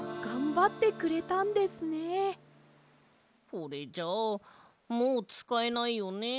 これじゃあもうつかえないよね？